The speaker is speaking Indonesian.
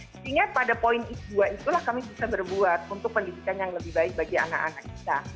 sehingga pada poin s dua itulah kami bisa berbuat untuk pendidikan yang lebih baik bagi anak anak kita